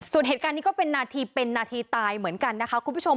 ส่วนเหตุการณ์นี้ก็เป็นนาทีเป็นนาทีตายเหมือนกันนะคะคุณผู้ชม